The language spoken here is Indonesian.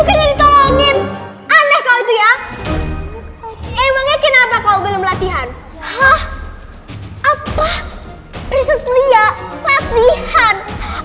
emangnya kenapa kau belum latihan hah apa prinses lia latihan